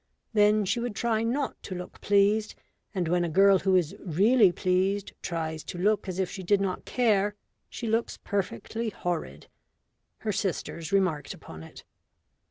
Then she would try not to look pleased, and when a girl who is really pleased tries to look as if she did not care, she looks perfectly horrid. Her sisters remarked upon it.